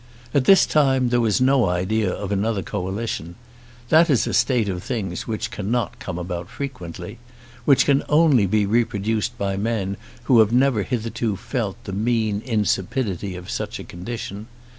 At this time there was no idea of another coalition. That is a state of things which cannot come about frequently, which can only be reproduced by men who have never hitherto felt the mean insipidity of such a condition.